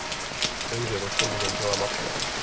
V témže roce mu zemřela matka.